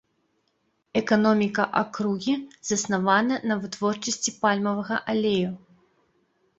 Эканоміка акругі заснавана на вытворчасці пальмавага алею.